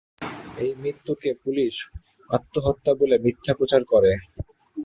এই মৃত্যুকে পুলিশ আত্মহত্যা বলে মিথ্যা প্রচার করে।